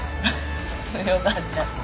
強がっちゃって。